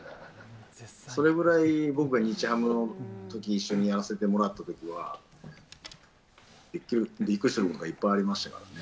それくらい、僕が日ハムのとき一緒にやらせてもらったときは、びっくりしたことがいっぱいありましたからね。